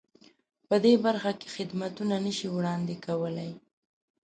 په دې برخه کې خدمتونه نه شي وړاندې کولای.